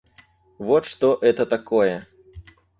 Вот что это такое.